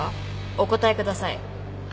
お答えください。